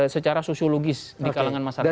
secara sosiologis di kalangan masyarakat